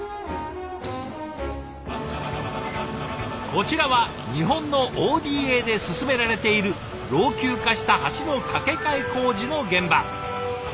こちらは日本のＯＤＡで進められている老朽化した橋の架け替え工事の現場。